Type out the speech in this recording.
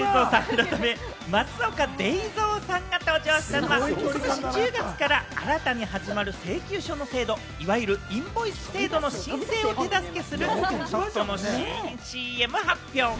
改め、松岡Ｄａｙ造さんが登場したのは、ことし１０月から新たに始まる請求書の制度、いわゆるインボイス制度の申請を手助けするソフトの新ＣＭ発表会。